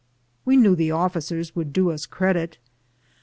We knew the ofiicers would do us credit.